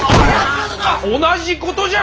同じことじゃ！